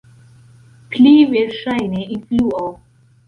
Pli verŝajne influo.